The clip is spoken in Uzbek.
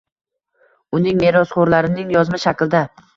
uning merosxo‘rlarining yozma shaklda